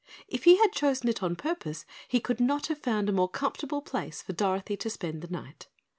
If he had chosen it on purpose he could not have found a more comfortable place for Dorothy to spend the night.